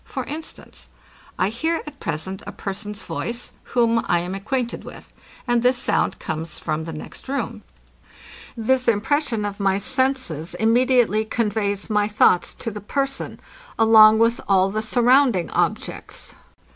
For instance; I hear at present a person's voice, whom I am acquainted with; and this sound comes from the next room. This impression of my senses immediately conveys my thoughts to the person, along with all the surrounding objects.